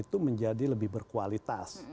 itu menjadi lebih berkualitas